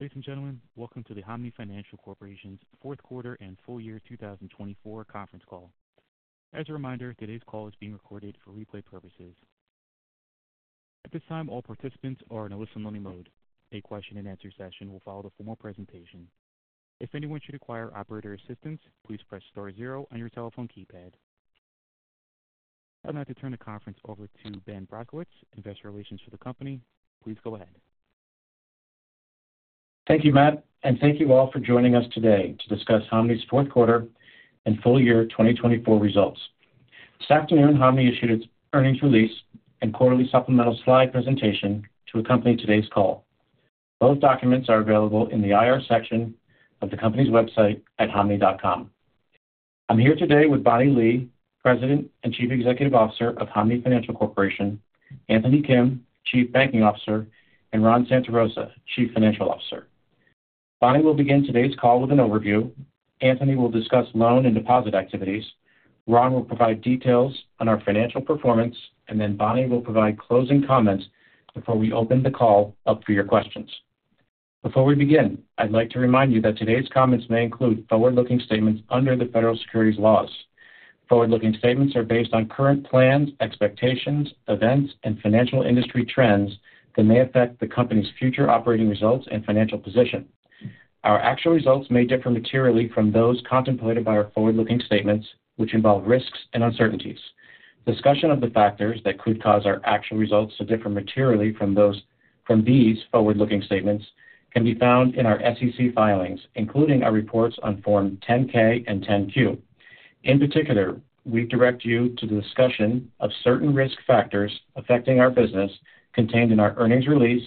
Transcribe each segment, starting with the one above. Ladies and gentlemen, welcome to the Hanmi Financial Corporation's fourth quarter and full year 2024 conference call. As a reminder, today's call is being recorded for replay purposes. At this time, all participants are in a listen-only mode. A question-and-answer session will follow the formal presentation. If anyone should require operator assistance, please press star zero on your telephone keypad. I'd like to turn the conference over to Ben Brodkowitz Investor Relations for the company. Please go ahead. Thank you, Matt, and thank you all for joining us today to discuss Hanmi's fourth quarter and full year 2024 results. This afternoon, Hanmi issued its earnings release and quarterly supplemental slide presentation to accompany today's call. Both documents are available in the IR section of the company's website at hanmi.com. I'm here today with Bonnie Lee, President and Chief Executive Officer of Hanmi Financial Corporation, Anthony Kim, Chief Banking Officer, and Ron Santarosa, Chief Financial Officer. Bonnie will begin today's call with an overview. Anthony will discuss loan and deposit activities. Ron will provide details on our financial performance, and then Bonnie will provide closing comments before we open the call up for your questions. Before we begin, I'd like to remind you that today's comments may include forward-looking statements under the federal securities laws. Forward-looking statements are based on current plans, expectations, events, and financial industry trends that may affect the company's future operating results and financial position. Our actual results may differ materially from those contemplated by our forward-looking statements, which involve risks and uncertainties. Discussion of the factors that could cause our actual results to differ materially from these forward-looking statements can be found in our SEC filings, including our reports on Form 10-K and 10-Q. In particular, we direct you to the discussion of certain risk factors affecting our business contained in our earnings release,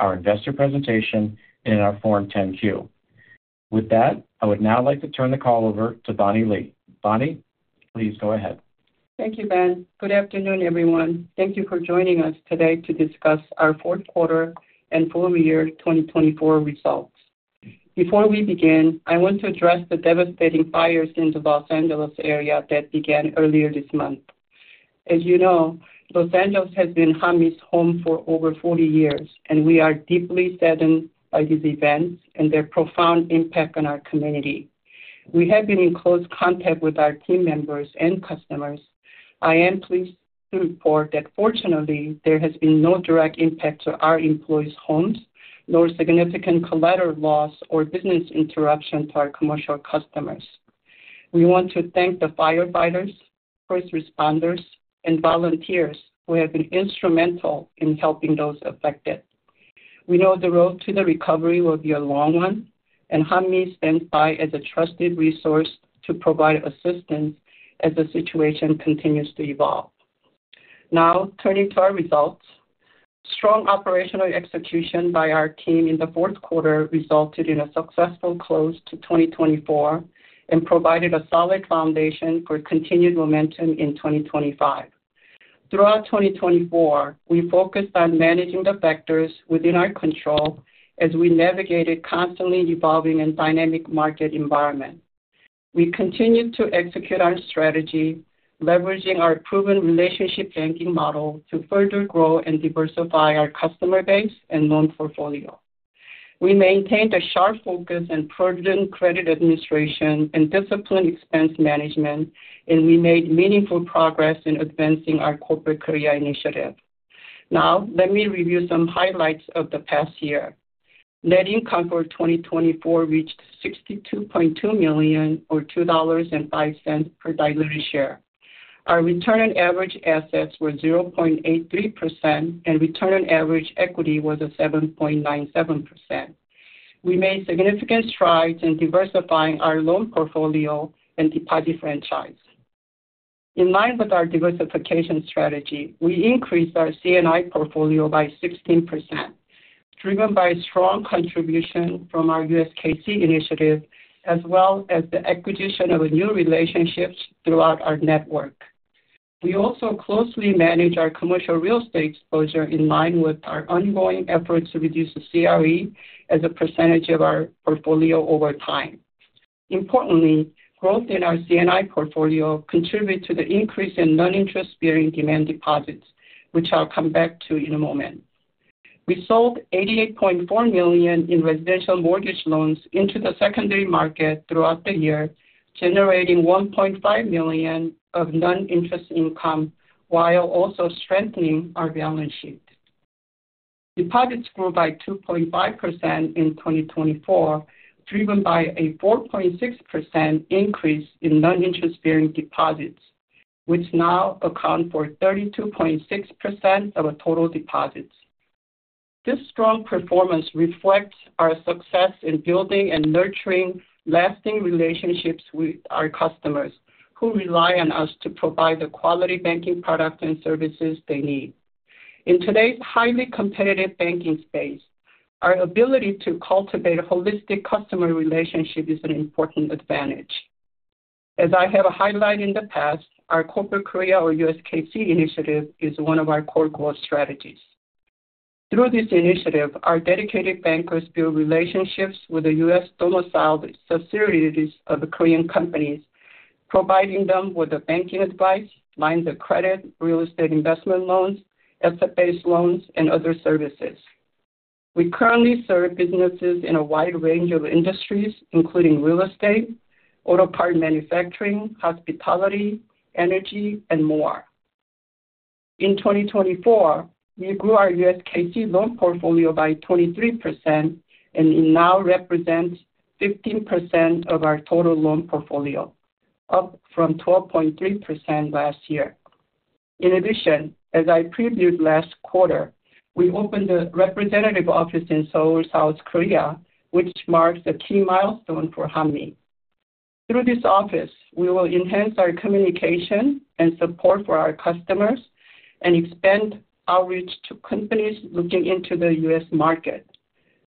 our investor presentation, and in our Form 10-Q. With that, I would now like to turn the call over to Bonnie Lee. Bonnie, please go ahead. Thank you, Ben. Good afternoon, everyone. Thank you for joining us today to discuss our fourth quarter and full year 2024 results. Before we begin, I want to address the devastating fires in the Los Angeles area that began earlier this month. As you know, Los Angeles has been Hanmi's home for over 40 years, and we are deeply saddened by these events and their profound impact on our community. We have been in close contact with our team members and customers. I am pleased to report that, fortunately, there has been no direct impact to our employees' homes, nor significant collateral loss or business interruption to our commercial customers. We want to thank the firefighters, first responders, and volunteers who have been instrumental in helping those affected. We know the road to the recovery will be a long one, and Hanmi stands by as a trusted resource to provide assistance as the situation continues to evolve. Now, turning to our results, strong operational execution by our team in the fourth quarter resulted in a successful close to 2024 and provided a solid foundation for continued momentum in 2025. Throughout 2024, we focused on managing the factors within our control as we navigated a constantly evolving and dynamic market environment. We continued to execute our strategy, leveraging our proven relationship banking model to further grow and diversify our customer base and loan portfolio. We maintained a sharp focus on prudent credit administration and disciplined expense management, and we made meaningful progress in advancing our Corporate Korea initiative. Now, let me review some highlights of the past year. Net income for 2024 reached $62.2 million, or $2.05 per diluted share. Our return on average assets was 0.83%, and return on average equity was 7.97%. We made significant strides in diversifying our loan portfolio and deposit franchise. In line with our diversification strategy, we increased our C&I portfolio by 16%, driven by a strong contribution from our USKC initiative, as well as the acquisition of new relationships throughout our network. We also closely manage our commercial real estate exposure in line with our ongoing efforts to reduce the CRE as a percentage of our portfolio over time. Importantly, growth in our C&I portfolio contributed to the increase in non-interest-bearing demand deposits, which I'll come back to in a moment. We sold $88.4 million in residential mortgage loans into the secondary market throughout the year, generating $1.5 million of non-interest income while also strengthening our balance sheet. Deposits grew by 2.5% in 2024, driven by a 4.6% increase in non-interest-bearing deposits, which now account for 32.6% of our total deposits. This strong performance reflects our success in building and nurturing lasting relationships with our customers, who rely on us to provide the quality banking products and services they need. In today's highly competitive banking space, our ability to cultivate a holistic customer relationship is an important advantage. As I have highlighted in the past, our Corporate Korea, or USKC initiative, is one of our core growth strategies. Through this initiative, our dedicated bankers build relationships with the U.S. domiciled subsidiaries of Korean companies, providing them with banking advice, lines of credit, real estate investment loans, asset-based loans, and other services. We currently serve businesses in a wide range of industries, including real estate, auto parts manufacturing, hospitality, energy, and more. In 2024, we grew our USKC loan portfolio by 23%, and it now represents 15% of our total loan portfolio, up from 12.3% last year. In addition, as I previewed last quarter, we opened a representative office in Seoul, South Korea, which marks a key milestone for Hanmi. Through this office, we will enhance our communication and support for our customers and expand our reach to companies looking into the U.S. market.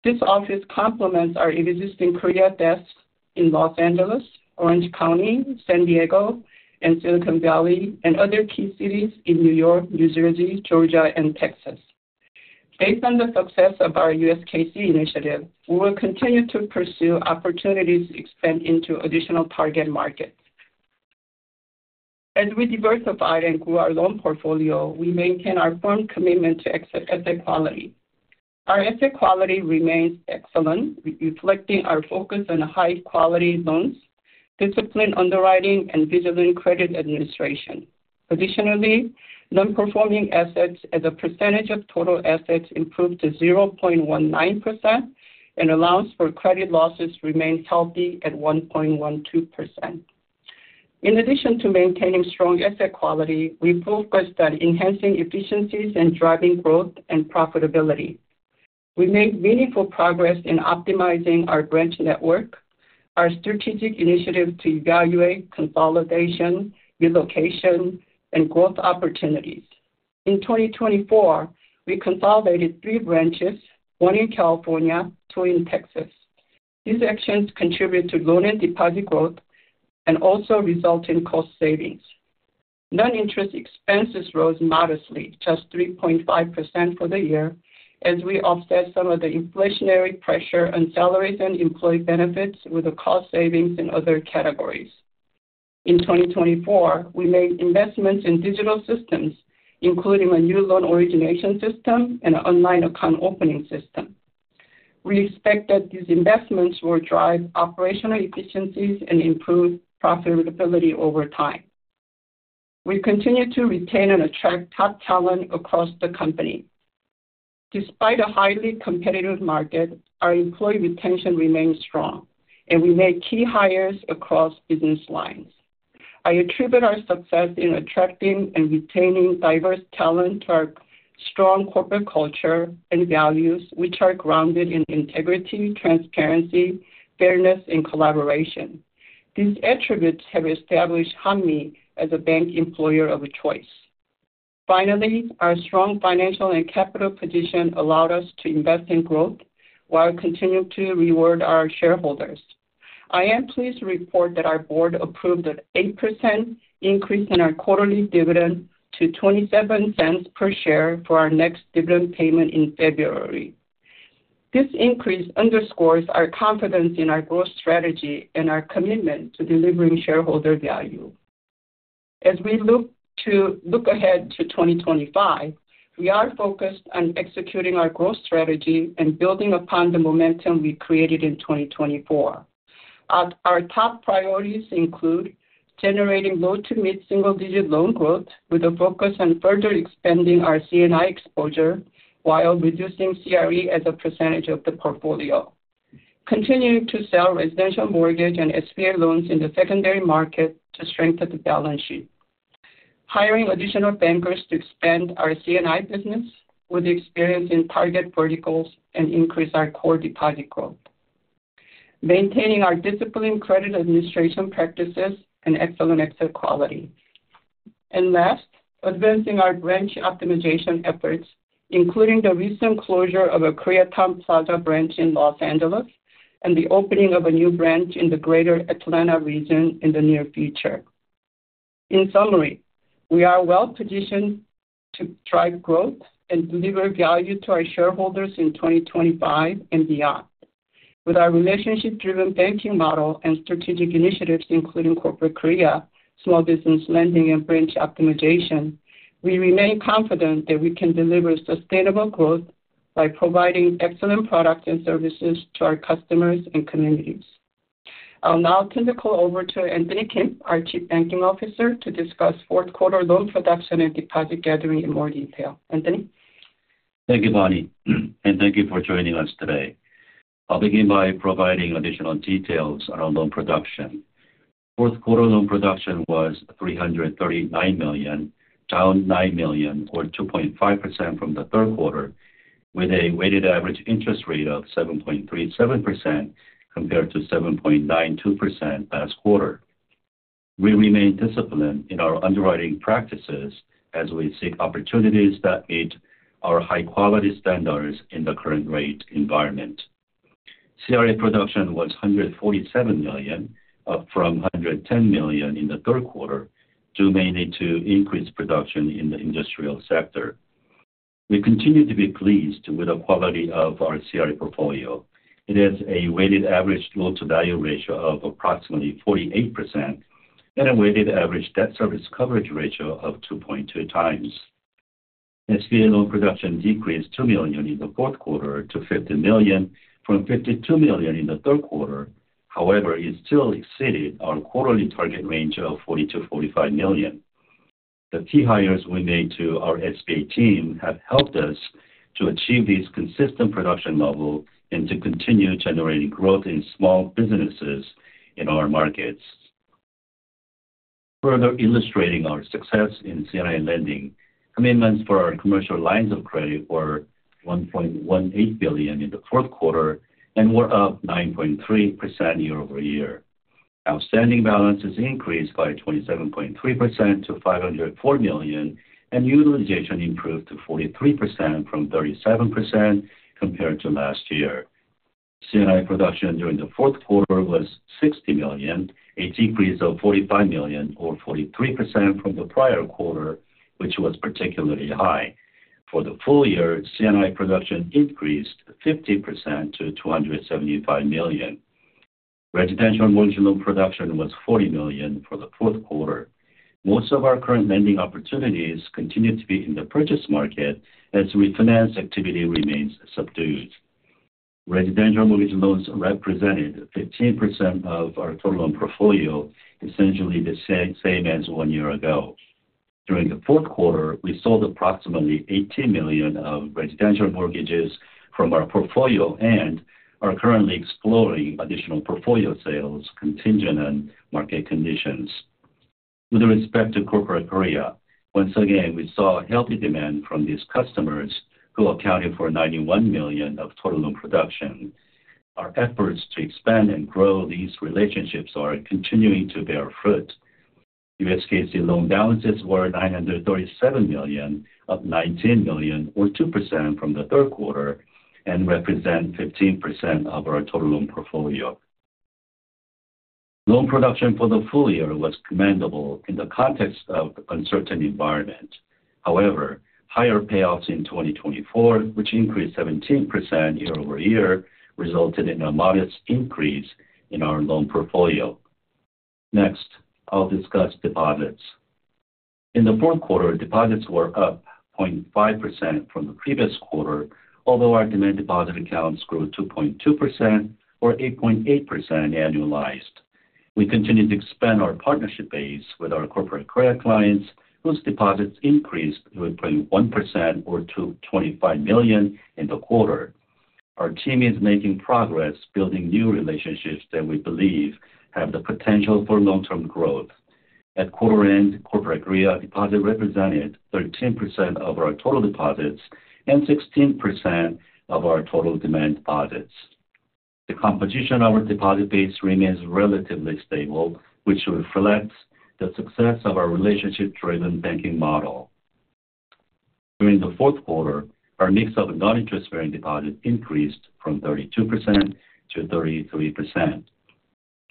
This office complements our existing Korea desks in Los Angeles, Orange County, San Diego, and Silicon Valley, and other key cities in New York, New Jersey, Georgia, and Texas. Based on the success of our USKC initiative, we will continue to pursue opportunities to expand into additional target markets. As we diversified and grew our loan portfolio, we maintained our firm commitment to asset quality. Our asset quality remains excellent, reflecting our focus on high-quality loans, disciplined underwriting, and vigilant credit administration. Additionally, non-performing assets as a percentage of total assets improved to 0.19%, and allowance for credit losses remained healthy at 1.12%. In addition to maintaining strong asset quality, we focused on enhancing efficiencies and driving growth and profitability. We made meaningful progress in optimizing our branch network, our strategic initiative to evaluate consolidation, relocation, and growth opportunities. In 2024, we consolidated three branches, one in California, two in Texas. These actions contributed to loan and deposit growth and also resulted in cost savings. Non-interest expenses rose modestly, just 3.5% for the year, as we offset some of the inflationary pressure on salaries and employee benefits with the cost savings in other categories. In 2024, we made investments in digital systems, including a new loan origination system and an online account opening system. We expect that these investments will drive operational efficiencies and improve profitability over time. We continue to retain and attract top talent across the company. Despite a highly competitive market, our employee retention remains strong, and we made key hires across business lines. I attribute our success in attracting and retaining diverse talent to our strong corporate culture and values, which are grounded in integrity, transparency, fairness, and collaboration. These attributes have established Hanmi as a bank employer of choice. Finally, our strong financial and capital position allowed us to invest in growth while continuing to reward our shareholders. I am pleased to report that our board approved an 8% increase in our quarterly dividend to $0.27 per share for our next dividend payment in February. This increase underscores our confidence in our growth strategy and our commitment to delivering shareholder value. As we look ahead to 2025, we are focused on executing our growth strategy and building upon the momentum we created in 2024. Our top priorities include generating low to mid-single-digit loan growth with a focus on further expanding our C&I exposure while reducing CRE as a percentage of the portfolio, continuing to sell residential mortgage and SBA loans in the secondary market to strengthen the balance sheet, hiring additional bankers to expand our C&I business with experience in target verticals and increase our core deposit growth, maintaining our disciplined credit administration practices and excellent asset quality, and last, advancing our branch optimization efforts, including the recent closure of a Koreatown Plaza branch in Los Angeles and the opening of a new branch in the Greater Atlanta region in the near future. In summary, we are well positioned to drive growth and deliver value to our shareholders in 2025 and beyond. With our relationship-driven banking model and strategic initiatives, including Corporate Korea, small business lending, and branch optimization, we remain confident that we can deliver sustainable growth by providing excellent products and services to our customers and communities. I'll now turn the call over to Anthony Kim, our Chief Banking Officer, to discuss fourth quarter loan production and deposit gathering in more detail. Anthony? Thank you, Bonnie, and thank you for joining us today. I'll begin by providing additional details on our loan production. Fourth quarter loan production was $339 million, down $9 million, or 2.5% from the third quarter, with a weighted average interest rate of 7.37% compared to 7.92% last quarter. We remain disciplined in our underwriting practices as we seek opportunities that meet our high-quality standards in the current rate environment. CRE production was $147 million, up from $110 million in the third quarter, due mainly to increased production in the industrial sector. We continue to be pleased with the quality of our CRE portfolio. It has a weighted average loan-to-value ratio of approximately 48% and a weighted average debt service coverage ratio of 2.2 times. SBA loan production decreased $2 million in the fourth quarter to $50 million, from $52 million in the third quarter. However, it still exceeded our quarterly target range of $40-$45 million. The key hires we made to our SBA team have helped us to achieve this consistent production level and to continue generating growth in small businesses in our markets. Further illustrating our success in C&I lending, commitments for our commercial lines of credit were $1.18 billion in the fourth quarter and were up 9.3% year over year. Outstanding balance has increased by 27.3% to $504 million, and utilization improved to 43% from 37% compared to last year. C&I production during the fourth quarter was $60 million, a decrease of $45 million, or 43% from the prior quarter, which was particularly high. For the full year, C&I production increased 50% to $275 million. Residential mortgage loan production was $40 million for the fourth quarter. Most of our current lending opportunities continue to be in the purchase market as refinance activity remains subdued. Residential mortgage loans represented 15% of our total loan portfolio, essentially the same as one year ago. During the fourth quarter, we sold approximately $18 million of residential mortgages from our portfolio and are currently exploring additional portfolio sales contingent on market conditions. With respect to Corporate Korea, once again, we saw healthy demand from these customers, who accounted for $91 million of total loan production. Our efforts to expand and grow these relationships are continuing to bear fruit. USKC loan balances were $937 million, up $19 million, or 2% from the third quarter, and represent 15% of our total loan portfolio. Loan production for the full year was commendable in the context of the uncertain environment. However, higher payoffs in 2024, which increased 17% year over year, resulted in a modest increase in our loan portfolio. Next, I'll discuss deposits. In the fourth quarter, deposits were up 0.5% from the previous quarter, although our demand deposit accounts grew 2.2% or 8.8% annualized. We continued to expand our partnership base with our Corporate Korea clients, whose deposits increased 0.1% or to $25 million in the quarter. Our team is making progress, building new relationships that we believe have the potential for long-term growth. At quarter end, Corporate Korea deposit represented 13% of our total deposits and 16% of our total demand deposits. The composition of our deposit base remains relatively stable, which reflects the success of our relationship-driven banking model. During the fourth quarter, our mix of non-interest-bearing deposits increased from 32% to 33%.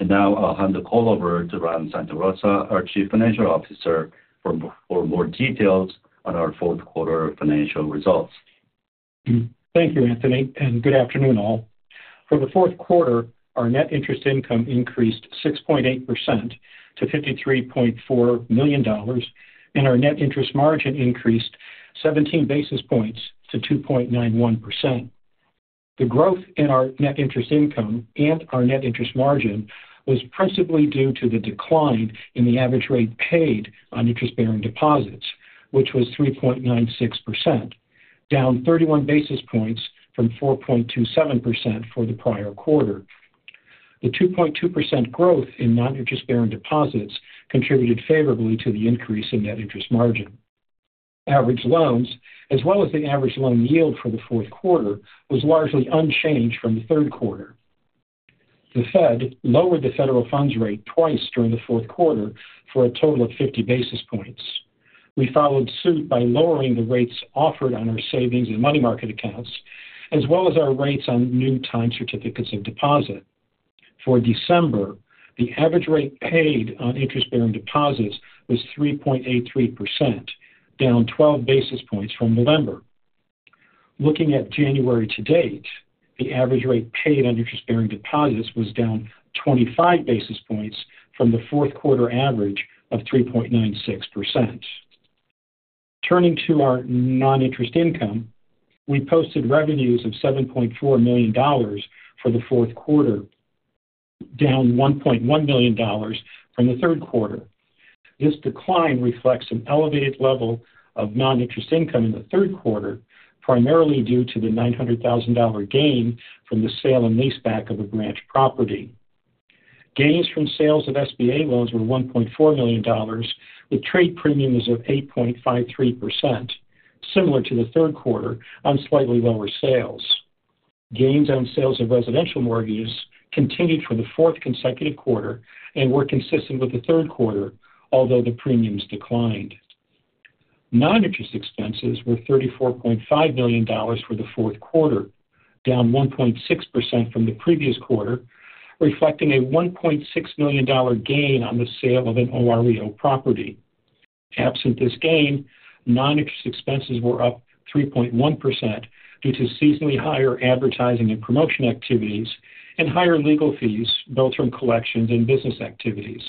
Now, I'll hand the call over to Ron Santarosa, our Chief Financial Officer, for more details on our fourth quarter financial results. Thank you, Anthony, and good afternoon, all. For the fourth quarter, our net interest income increased 6.8% to $53.4 million, and our net interest margin increased 17 basis points to 2.91%. The growth in our net interest income and our net interest margin was principally due to the decline in the average rate paid on interest-bearing deposits, which was 3.96%, down 31 basis points from 4.27% for the prior quarter. The 2.2% growth in non-interest-bearing deposits contributed favorably to the increase in net interest margin. Average loans, as well as the average loan yield for the fourth quarter, was largely unchanged from the third quarter. The Fed lowered the federal funds rate twice during the fourth quarter for a total of 50 basis points. We followed suit by lowering the rates offered on our savings and money market accounts, as well as our rates on new time certificates of deposit. For December, the average rate paid on interest-bearing deposits was 3.83%, down 12 basis points from November. Looking at January to date, the average rate paid on interest-bearing deposits was down 25 basis points from the fourth quarter average of 3.96%. Turning to our non-interest income, we posted revenues of $7.4 million for the fourth quarter, down $1.1 million from the third quarter. This decline reflects an elevated level of non-interest income in the third quarter, primarily due to the $900,000 gain from the sale and leaseback of a branch property. Gains from sales of SBA loans were $1.4 million, with trade premiums of 8.53%, similar to the third quarter on slightly lower sales. Gains on sales of residential mortgages continued for the fourth consecutive quarter and were consistent with the third quarter, although the premiums declined. Non-interest expenses were $34.5 million for the fourth quarter, down 1.6% from the previous quarter, reflecting a $1.6 million gain on the sale of an OREO property. Absent this gain, non-interest expenses were up 3.1% due to seasonally higher advertising and promotion activities and higher legal fees, bill term collections, and business activities.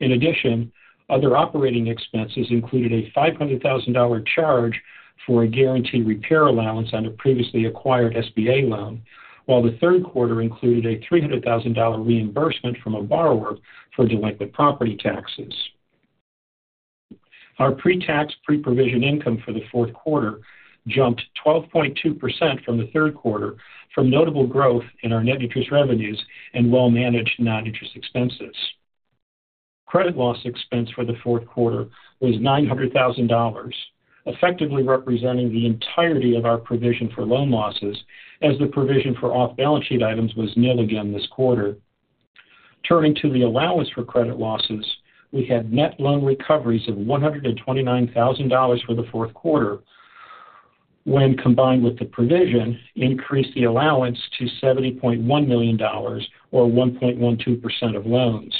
In addition, other operating expenses included a $500,000 charge for a guaranty repair allowance on a previously acquired SBA loan, while the third quarter included a $300,000 reimbursement from a borrower for delinquent property taxes. Our pre-tax, pre-provision income for the fourth quarter jumped 12.2% from the third quarter, from notable growth in our net interest revenues and well-managed non-interest expenses. Credit loss expense for the fourth quarter was $900,000, effectively representing the entirety of our provision for loan losses, as the provision for off-balance sheet items was nil again this quarter. Turning to the allowance for credit losses, we had net loan recoveries of $129,000 for the fourth quarter, when combined with the provision, increased the allowance to $70.1 million, or 1.12% of loans.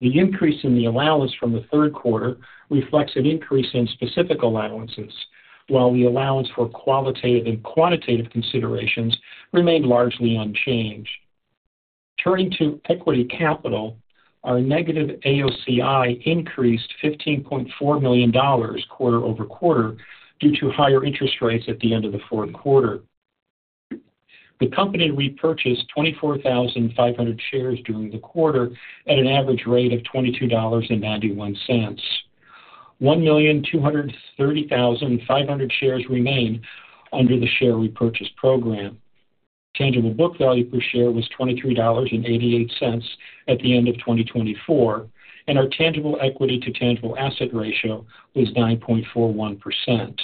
The increase in the allowance from the third quarter reflects an increase in specific allowances, while the allowance for qualitative and quantitative considerations remained largely unchanged. Turning to equity capital, our negative AOCI increased $15.4 million quarter over quarter due to higher interest rates at the end of the fourth quarter. The company repurchased 24,500 shares during the quarter at an average rate of $22.91. 1,230,500 shares remain under the share repurchase program. Tangible book value per share was $23.88 at the end of 2024, and our tangible equity to tangible asset ratio was 9.41%.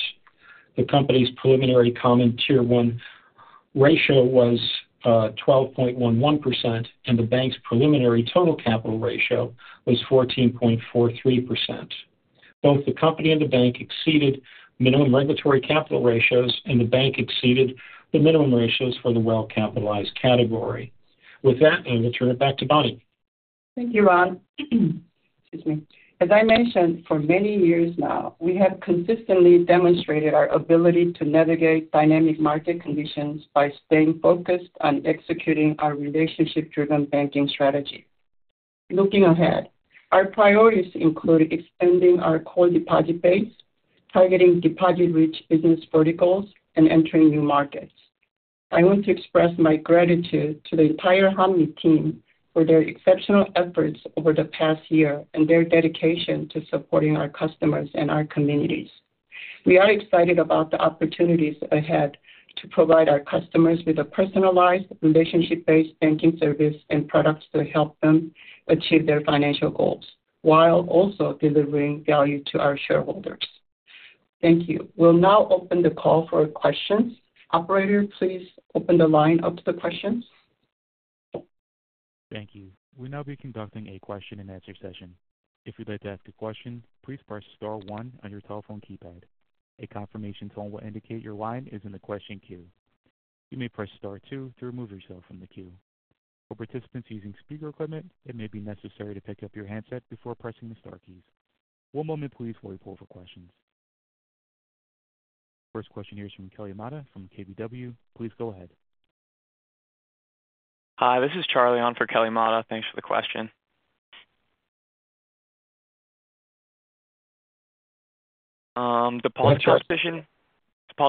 The company's preliminary Common Tier 1 ratio was 12.11%, and the bank's preliminary Total Capital ratio was 14.43%. Both the company and the bank exceeded minimum regulatory capital ratios, and the bank exceeded the minimum ratios for the well-capitalized category. With that, I will turn it back to Bonnie. Thank you, Ron. Excuse me. As I mentioned, for many years now, we have consistently demonstrated our ability to navigate dynamic market conditions by staying focused on executing our relationship-driven banking strategy. Looking ahead, our priorities include extending our core deposit base, targeting deposit-rich business verticals, and entering new markets. I want to express my gratitude to the entire Hanmi team for their exceptional efforts over the past year and their dedication to supporting our customers and our communities. We are excited about the opportunities ahead to provide our customers with a personalized, relationship-based banking service and products to help them achieve their financial goals while also delivering value to our shareholders. Thank you. We'll now open the call for questions. Operator, please open the line up to the questions. Thank you. We'll now be conducting a question-and-answer session. If you'd like to ask a question, please press star one on your telephone keypad. A confirmation tone will indicate your line is in the question queue. You may press star two to remove yourself from the queue. For participants using speaker equipment, it may be necessary to pick up your handset before pressing the star keys. One moment, please, while we pull up our questions. First question here is from Kelly Motta from KBW. Please go ahead. Hi, this is Charlie on for Kelly Motta. Thanks for the question. Deposit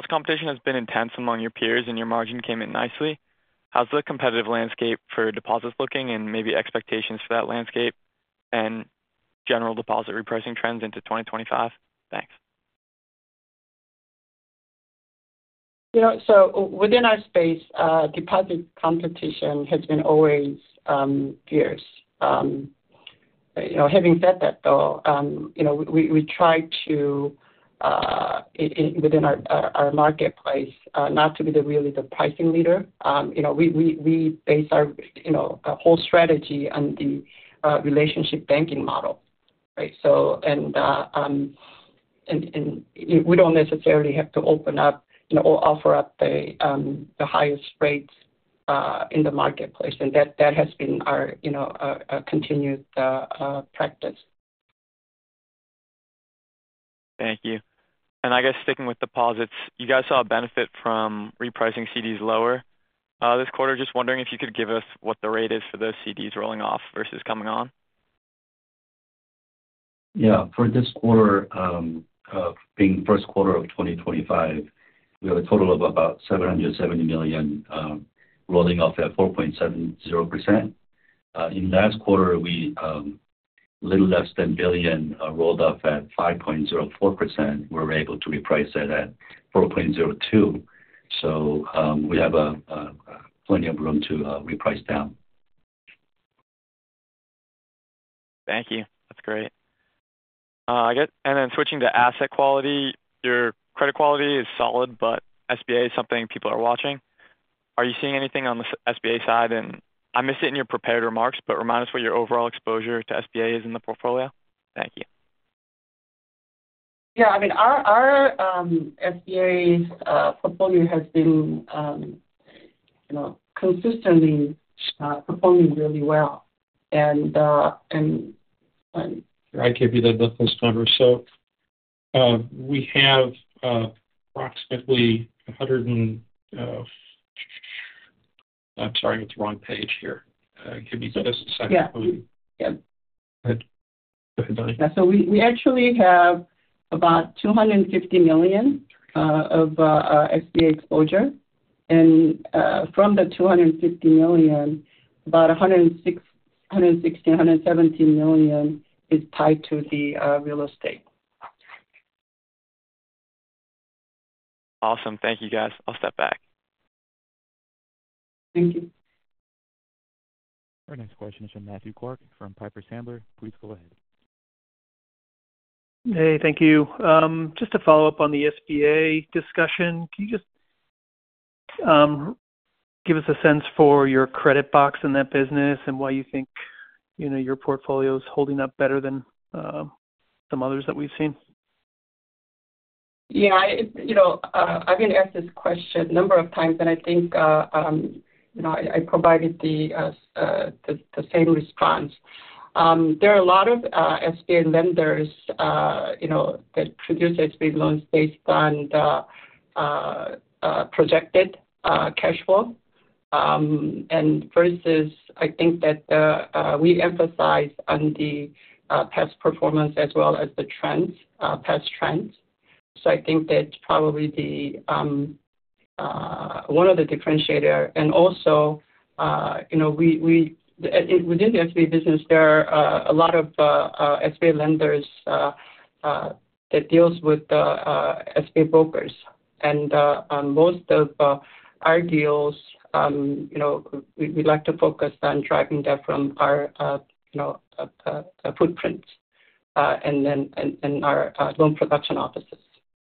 competition has been intense among your peers, and your margin came in nicely. How's the competitive landscape for deposits looking, and maybe expectations for that landscape and general deposit repricing trends into 2025? Thanks. So within our space, deposit competition has been always fierce. Having said that, though, we try to, within our marketplace, not to be really the pricing leader. We base our whole strategy on the relationship banking model. And we don't necessarily have to open up or offer up the highest rates in the marketplace. And that has been our continued practice. Thank you. And I guess sticking with deposits, you guys saw a benefit from repricing CDs lower this quarter. Just wondering if you could give us what the rate is for those CDs rolling off versus coming on? Yeah. For this quarter, being the first quarter of 2025, we have a total of about $770 million rolling off at 4.70%. In the last quarter, with little less than a billion rolled off at 5.04%, we were able to reprice it at 4.02. So we have plenty of room to reprice down. Thank you. That's great. And then switching to asset quality, your credit quality is solid, but SBA is something people are watching. Are you seeing anything on the SBA side? And I missed it in your prepared remarks, but remind us what your overall exposure to SBA is in the portfolio. Thank you. Yeah. I mean, our SBA portfolio has been consistently performing really well. And. Right, KB, the first number. So we have approximately 100 and I'm sorry, it's the wrong page here. Give me just a second. Yeah. Go ahead, Bonnie. Yeah. So we actually have about $250 million of SBA exposure. And from the $250 million, about $116-$117 million is tied to the real estate. Awesome. Thank you, guys. I'll step back. Thank you. Our next question is from Matthew Clark from Piper Sandler. Please go ahead. Hey, thank you. Just to follow up on the SBA discussion, can you just give us a sense for your credit box in that business and why you think your portfolio is holding up better than some others that we've seen? Yeah. I've been asked this question a number of times, and I think I provided the same response. There are a lot of SBA lenders that produce SBA loans based on projected cash flow, and I think that we emphasize on the past performance as well as the trends, past trends, so I think that probably one of the differentiators, and also, within the SBA business, there are a lot of SBA lenders that deal with SBA brokers, and most of our deals, we like to focus on driving that from our footprints and our loan production offices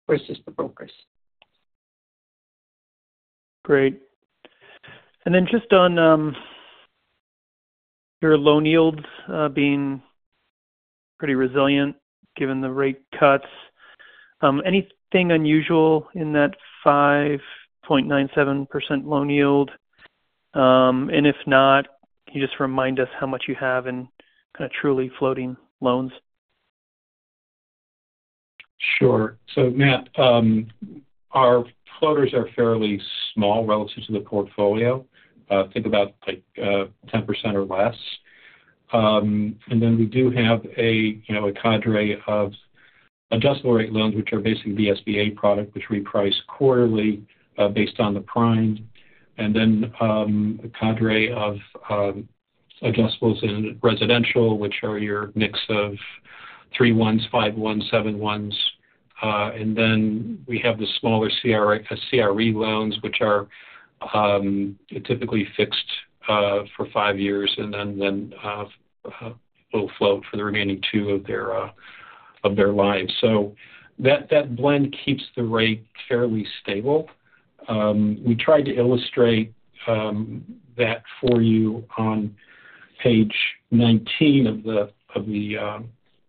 versus the brokers. Great. And then just on your loan yields being pretty resilient given the rate cuts, anything unusual in that 5.97% loan yield? And if not, can you just remind us how much you have in kind of truly floating loans? Sure. So Matt, our floaters are fairly small relative to the portfolio. Think about 10% or less. And then we do have a cadre of adjustable rate loans, which are basically the SBA product, which we price quarterly based on the prime. And then a cadre of adjustables in residential, which are your mix of 3-1s, 5-1s, 7-1s. And then we have the smaller CRE loans, which are typically fixed for five years and then will float for the remaining two of their lives. So that blend keeps the rate fairly stable. We tried to illustrate that for you on page 19 of the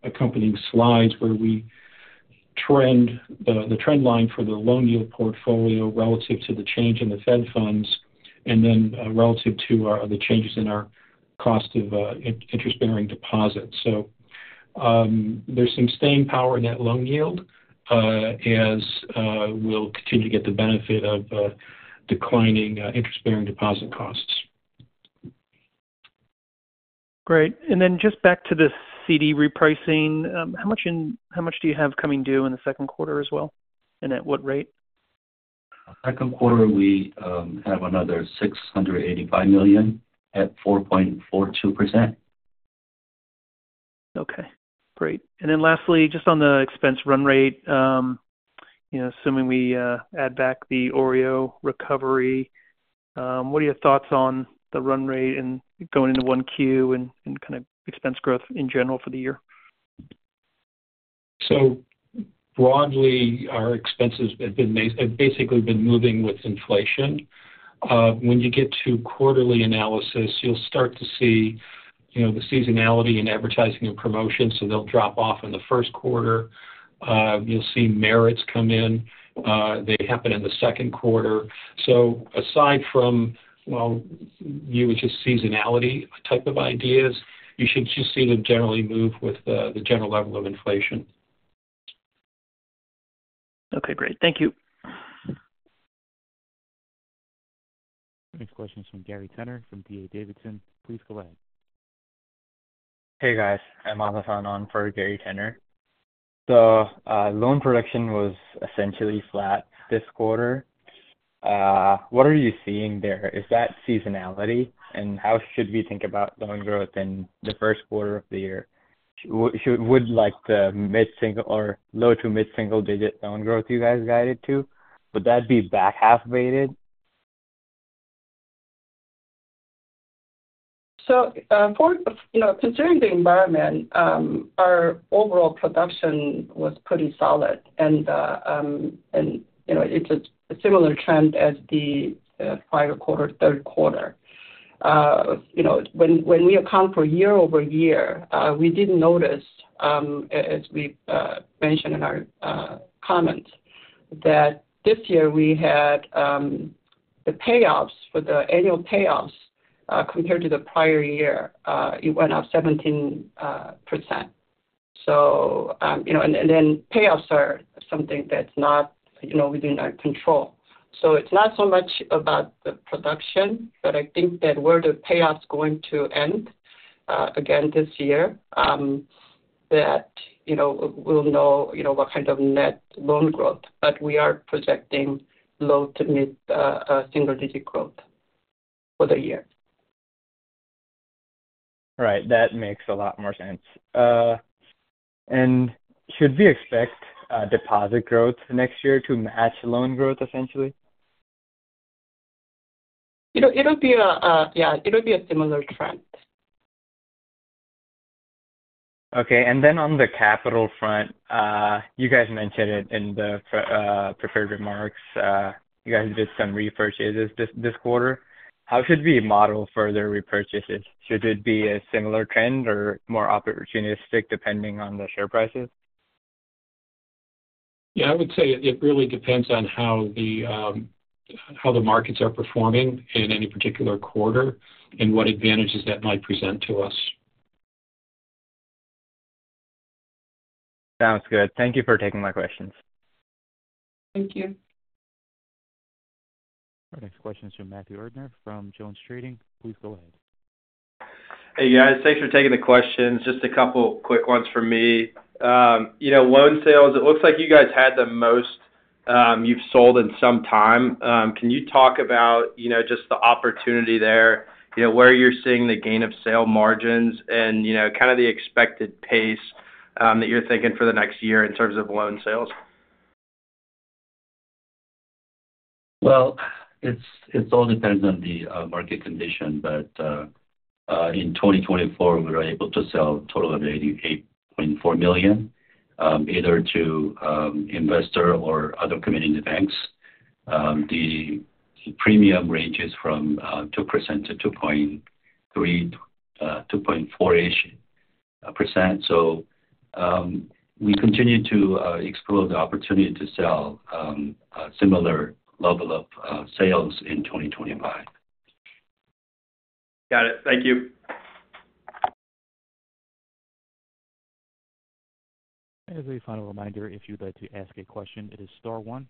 accompanying slides, where we trend the trend line for the loan yield portfolio relative to the change in the Fed funds and then relative to the changes in our cost of interest-bearing deposits. So there's some staying power in that loan yield as we'll continue to get the benefit of declining interest-bearing deposit costs. Great. And then just back to the CD repricing, how much do you have coming due in the second quarter as well? And at what rate? Second quarter, we have another $685 million at 4.42%. Okay. Great. And then lastly, just on the expense run rate, assuming we add back the OREO recovery, what are your thoughts on the run rate and going into 1Q and kind of expense growth in general for the year? So broadly, our expenses have basically been moving with inflation. When you get to quarterly analysis, you'll start to see the seasonality in advertising and promotions. So they'll drop off in the first quarter. You'll see merits come in. They happen in the second quarter. So aside from, well, you would just seasonality type of ideas, you should just see them generally move with the general level of inflation. Okay. Great. Thank you. Next question is from Gary Tenner from D.A. Davidson & Co. Please go ahead. Hey, guys. I'm on the phone for Gary Tenner. The loan production was essentially flat this quarter. What are you seeing there? Is that seasonality? And how should we think about loan growth in the first quarter of the year? Would like the mid-single or low to mid-single digit loan growth you guys guided to, would that be back half-weighted? Considering the environment, our overall production was pretty solid. It's a similar trend as the fourth quarter, third quarter. When we account for year over year, we did notice, as we mentioned in our comments, that this year we had the payoffs for the annual payoffs compared to the prior year. It went up 17%. Payoffs are something that's not within our control. It's not so much about the production, but I think that where the payoffs going to end again this year, that we'll know what kind of net loan growth. We are projecting low to mid-single digit growth for the year. Right. That makes a lot more sense. And should we expect deposit growth next year to match loan growth, essentially? It'll be a similar trend. Okay. And then on the capital front, you guys mentioned it in the prepared remarks. You guys did some repurchases this quarter. How should we model further repurchases? Should it be a similar trend or more opportunistic depending on the share prices? Yeah. I would say it really depends on how the markets are performing in any particular quarter and what advantages that might present to us. Sounds good. Thank you for taking my questions. Thank you. Our next question is from Matthew Erdner from JonesTrading. Please go ahead. Hey, guys. Thanks for taking the questions. Just a couple of quick ones for me. Loan sales, it looks like you guys had the most you've sold in some time. Can you talk about just the opportunity there, where you're seeing the gain of sale margins and kind of the expected pace that you're thinking for the next year in terms of loan sales? It all depends on the market condition. In 2024, we were able to sell a total of $88.4 million either to investors or other community banks. The premium ranges from 2% to 2.4%-ish. We continue to explore the opportunity to sell a similar level of sales in 2025. Got it. Thank you. As a final reminder, if you'd like to ask a question, it is star one.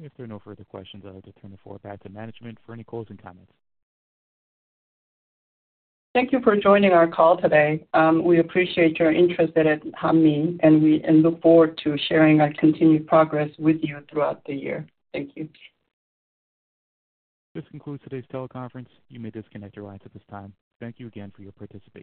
If there are no further questions, I'd like to turn the floor back to management for any closing comments. Thank you for joining our call today. We appreciate your interest in Hanmi, and look forward to sharing our continued progress with you throughout the year. Thank you. This concludes today's teleconference. You may disconnect your lines at this time. Thank you again for your participation.